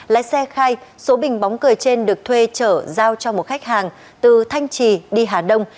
lái xe khai số bình bóng cười trên được thuê chở giao cho một khách hàng từ thanh trì đi hà đông